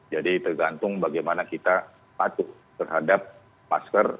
jadi tergantung bagaimana kita patuh terhadap masker